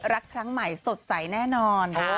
รักครั้งใหม่สดใสแน่นอน